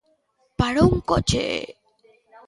Parou un coche.